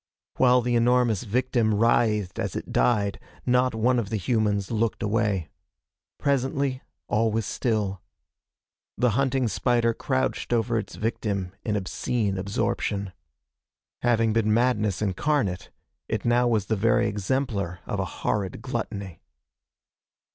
While the enormous victim writhed as it died, not one of the humans looked away. Presently all was still. The hunting spider crouched over its victim in obscene absorption. Having been madness incarnate, it now was the very exemplar of a horrid gluttony.